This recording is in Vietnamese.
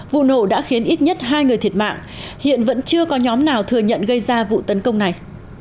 vụ nổ đã khiến ít nhất hai người thiệt mạng hiện vẫn chưa có nhóm nào thừa nhận gây ra vụ tấn công này